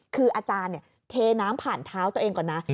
คืออาจารย์เทน้ำผ่านเท้าตัวเองก่อนนะ